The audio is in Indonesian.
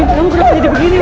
kamu kenapa jadi begini win